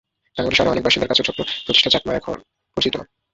রাঙামাটি শহরের অনেক বাসিন্দার কাছেও ছোট্ট প্রতিষ্ঠা চাকমা এখন পরিচিত নাম।